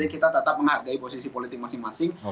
kita tetap menghargai posisi politik masing masing